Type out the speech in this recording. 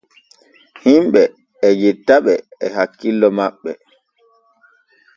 Himɓe e jettaɓe e hakkillo maɓɓe.